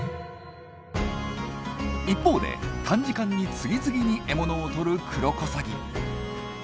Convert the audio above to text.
一方で短時間に次々に獲物をとるクロコサギ。